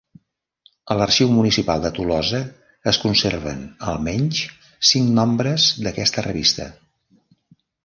A l'Arxiu Municipal de Tolosa es conserven almenys cinc nombres d'aquesta revista.